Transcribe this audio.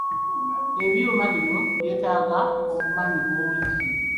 Ebimyuma bino byetaaga obumanyi bungi.